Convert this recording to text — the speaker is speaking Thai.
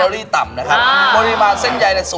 มิคุมแล้วก็มะนาวน้ำตาล